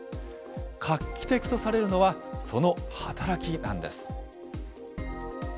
画期的とされるのはその働きなんです。